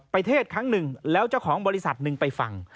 เทศครั้งหนึ่งแล้วเจ้าของบริษัทหนึ่งไปฟัง